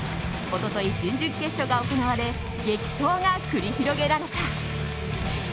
一昨日、準々決勝が行われ激闘が繰り広げられた。